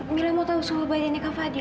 mila mau tahu suhu badannya kak fadil